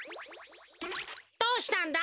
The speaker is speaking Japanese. どうしたんだ？